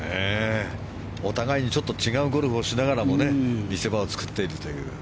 お互いにちょっと違うゴルフをしながらも見せ場を作っているという。